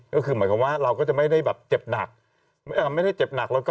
ก็คือหมายความว่าเราก็จะไม่ได้แบบเจ็บหนัก